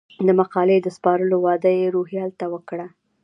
د مقالې د سپارلو وعده یې روهیال ته وکړه.